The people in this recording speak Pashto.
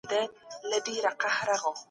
د قدرت لپاره بايد سالمي سيالۍ ترسره سي.